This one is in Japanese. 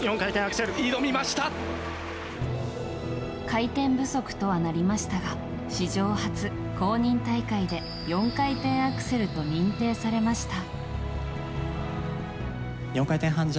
回転不足とはなりましたが史上初公認大会で４回転アクセルと認定されました。